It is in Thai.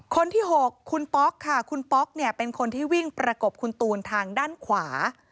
คนที่๖คุณป๊อกค่ะคุณป๊อกเนี่ยเป็นคนที่วิ่งประกบคุณตูนทางด้านขวา